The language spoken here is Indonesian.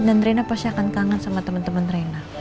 dan rena pasti akan kangen sama temen temen rena